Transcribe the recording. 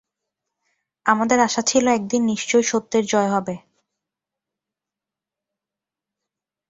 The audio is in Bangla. আমাদের আশা ছিল একদিন নিশ্চয়ই সত্যের জয় হবে।